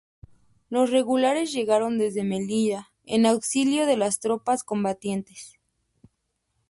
Los Regulares llegaron desde Melilla en auxilio de las tropas combatientes.